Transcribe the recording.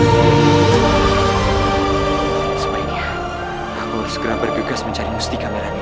hai sebaiknya aku harus segera bergegas mencari mustika merah lima itu